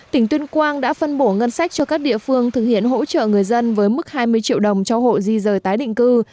tỉnh tuyên quang đã phân bổ ngân sách cho các địa phương thực hiện hỗ trợ người dân với mức hai mươi triệu đồng cho hộ di rời tái định cư